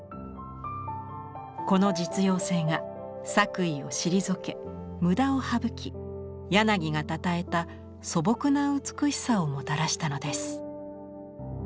この実用性が作為を退け無駄を省き柳がたたえた素朴な美しさをもたらしたのです。